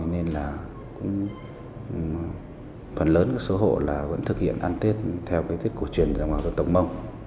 nên là cũng phần lớn các số hộ là vẫn thực hiện ăn tết theo cái tết cổ truyền đồng bào dân tộc mông